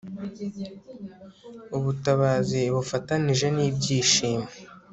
ubutabazi bufatanije n'ibyishimo